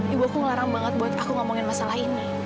ibu aku ngelarang banget buat aku ngomongin masalah ini